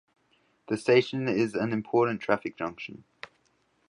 The station is an important traffic junction.